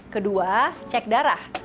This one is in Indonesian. kedua cek darah